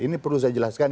ini perlu saya jelaskan